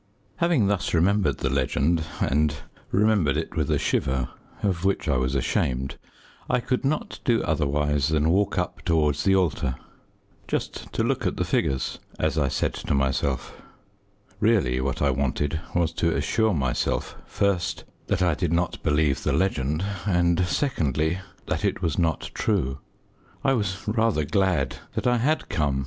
Having thus remembered the legend, and remembered it with a shiver, of which I was ashamed, I could not do otherwise than walk up towards the altar, just to look at the figures as I said to myself; really what I wanted was to assure myself, first, that I did not believe the legend, and, secondly, that it was not true. I was rather glad that I had come.